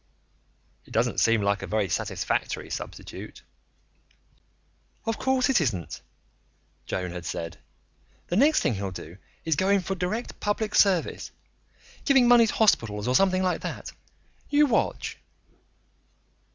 "It doesn't seem like a very satisfactory substitute." "Of course it isn't," Joan had said. "The next thing he'll do is go in for direct public service giving money to hospitals or something like that. You watch."